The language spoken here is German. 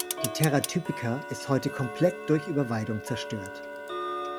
Die Terra typica ist heute komplett durch Überweidung zerstört.